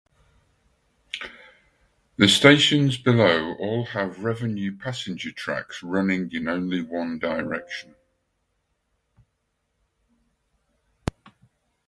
The stations below all have revenue passenger tracks running in only one direction.